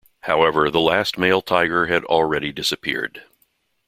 However, the last male tiger had already disappeared.